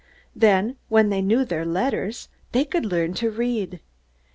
Then when they knew their letters, they could learn to read.